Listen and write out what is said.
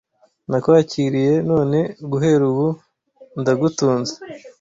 Nakwakiriye, none guhera ubu ndagutunze,